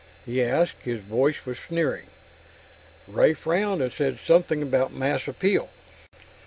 he asked. His voice was sneering. Ray frowned, and said something about mass appeal.